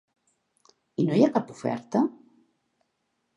I no hi ha cap oferta?